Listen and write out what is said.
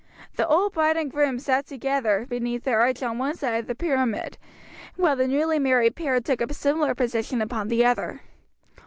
The old bride and groom sat together beneath the arch on one side of the pyramid, while the newly married pair took up a similar position, upon the other.